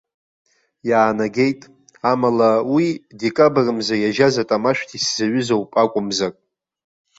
Иаанагеит, амала, уи, декабр мза иажьаз атамашәҭ исзаҩызоуп акәымзар.